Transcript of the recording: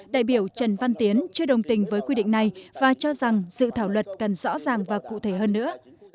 đại biểu trần văn tiến chưa đồng tình với quy định này và cho rằng dự thảo luật cần rõ ràng và cụ thể hơn nữa